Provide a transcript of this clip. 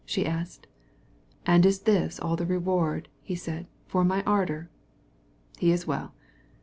she asked. "And is this all the reward," said he, "for my ardor? He's quite well...."